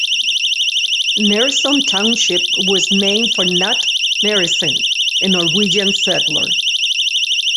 Nereson Township was named for Knut Neresen, a Norwegian settler.